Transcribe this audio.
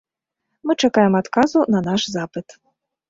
Мы чакаем адказу на наш запыт.